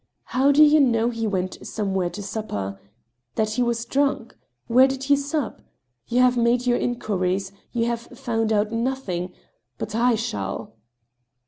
How do you know he went somewhere to supper? — that he was drunk? Where did he sup ? You have made your inquiries ; you have found out nothing, ... but I shall